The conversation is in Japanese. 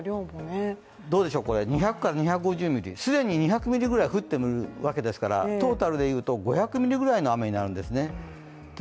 ２００から２５０ミリ、既に２００ミリぐらい降っているわけですからトータルでいうと５００ミリぐらいの雨になるんですね。